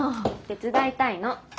手伝いたいの。